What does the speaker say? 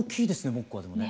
「モッコ」がでもね。